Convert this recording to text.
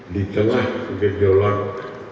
di tengah gejolak